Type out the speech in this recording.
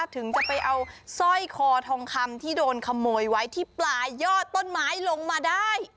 ถึงจะไปเอาสร้อยคอทองคำที่โดนขโมยไว้ที่ปลายยอดต้นไม้ลงมาได้